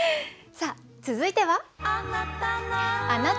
さあ続いては。